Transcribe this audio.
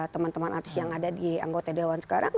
teman teman artis yang ada di anggota dewan sekarang